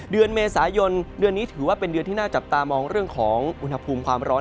เดือนเมษายนเดือนนี้ถือว่าเป็นเดือนที่น่าจับตามองเรื่องของอุณหภูมิความร้อน